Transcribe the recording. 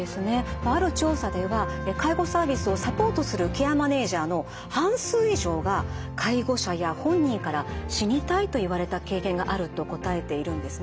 まあある調査では介護サービスをサポートするケアマネージャーの半数以上が介護者や本人から「死にたい」と言われた経験があると答えているんですね。